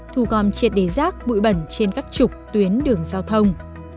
thu gom triệt đề rác bụi bẩn trên các trục tuyến đường giao thông